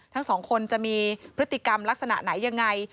ทั้งสองคนจะมีพฤติกรรมลักษณะไหนยังไง